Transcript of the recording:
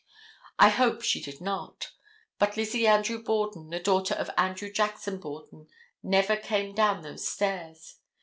I hope she did not. But Lizzie Andrew Borden, the daughter of Andrew Jackson Borden, never came down those stairs.